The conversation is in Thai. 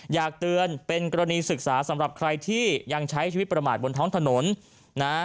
อยากเตือนเป็นกรณีศึกษาสำหรับใครที่ยังใช้ชีวิตประมาทบนท้องถนนนะ